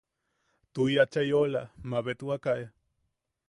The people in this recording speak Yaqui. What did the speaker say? –Tuʼi, achai oʼola, mabetwaka e.